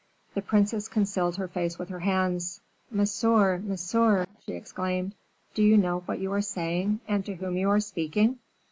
The princess concealed her face with her hands. "Monsieur, monsieur!" she exclaimed; "do you know what you are saying, and to whom you are speaking?"